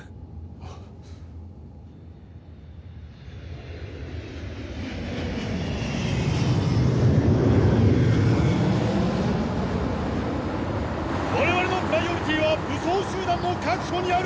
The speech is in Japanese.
ゴォー我々のプライオリティーは武装集団の確保にある！